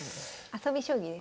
遊び将棋ですかね。